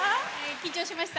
緊張しました。